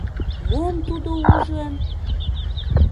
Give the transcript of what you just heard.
Мом тудо ужын?